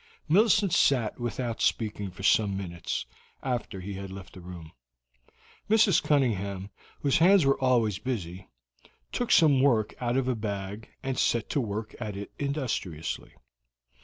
Millicent sat without speaking for some minutes after he had left the room. Mrs. Cunningham, whose hands were always busy, took some work out of a bag and set to work at it industriously.